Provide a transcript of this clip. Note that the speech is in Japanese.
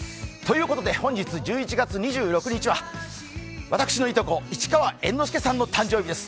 本日１１月２６日は、私のいとこ、市川猿之助さんの誕生日です。